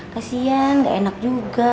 kasian gak enak juga